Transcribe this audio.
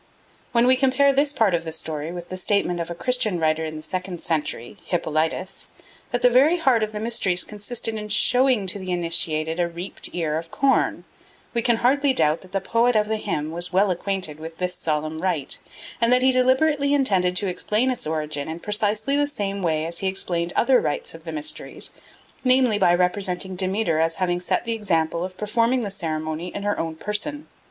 When we compare this part of the story with the statement of a Christian writer of the second century, Hippolytus, that the very heart of the mysteries consisted in showing to the initiated a reaped ear of corn, we can hardly doubt that the poet of the hymn was well acquainted with this solemn rite, and that he deliberately intended to explain its origin in precisely the same way as he explained other rites of the mysteries, namely by representing Demeter as having set the example of performing the ceremony in her own person.